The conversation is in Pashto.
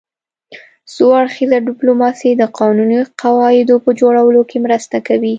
څو اړخیزه ډیپلوماسي د قانوني قواعدو په جوړولو کې مرسته کوي